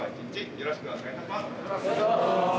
よろしくお願いします。